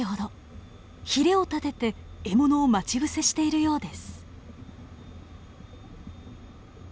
ヒレを立てて獲物を待ち伏せしているようです。